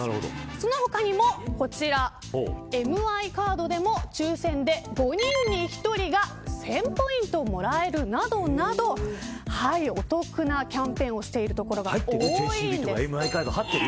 その他にもＭＩカードでも抽選で５人に１人が１０００ポイントもらえるなどなどお得なキャンペーンをＭＩカード入っている。